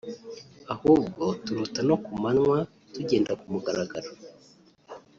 ahubwo turota no ku manywa tugenda ku mugaragaro